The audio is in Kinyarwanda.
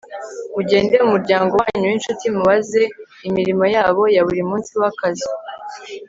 mugende mu muryango wanyu w'inshuti mubaze imirimo yabo ya buri munsi w'akazi